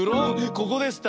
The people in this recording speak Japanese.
ここでした。